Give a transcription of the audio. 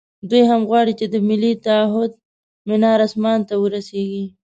دوی هم غواړي چې د ملي تعهُد منار اسمان ته ورسېږي.